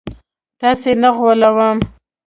تاسي نه غولوم